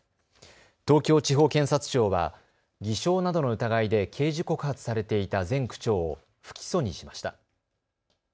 東京地方検察庁は偽証などの疑いで刑事告発されていた前区長を不起訴にしました。